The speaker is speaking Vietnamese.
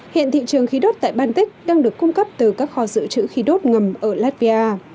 hiện thị trường khí đốt tại baltic đang được cung cấp từ các kho dự trữ khí đốt ngầm ở latvia